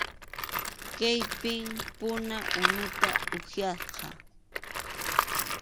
Kaypim puna unuta upyasqa.